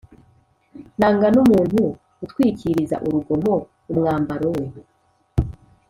nanga n’umuntu utwikiriza urugomo umwambaro we